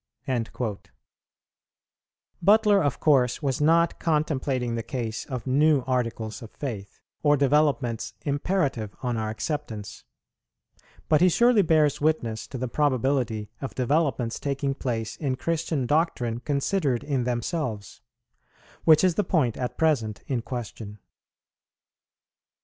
"[72:1] Butler of course was not contemplating the case of new articles of faith, or developments imperative on our acceptance, but he surely bears witness to the probability of developments taking place in Christian doctrine considered in themselves, which is the point at present in question.